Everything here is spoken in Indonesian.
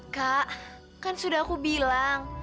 kak kan sudah aku bilang